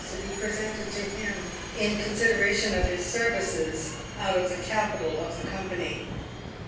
to be presented to him, in con sideration of his services, out of the capital of the company.